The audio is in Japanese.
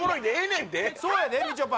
んでそうやでみちょぱ